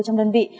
trong đơn vị